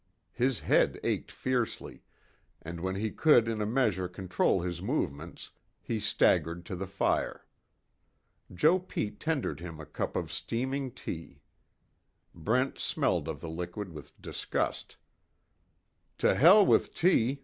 His head ached fiercely, and when he could in a measure control his movements, he staggered to the fire. Joe Pete tendered him a cup of steaming tea. Brent smelled of the liquid with disgust: "To hell with tea!"